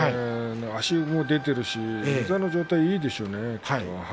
足も出ているし膝の状態もいいですね。